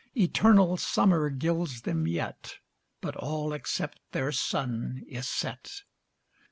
Eternal summer gilds them yet, But all except their sun is set.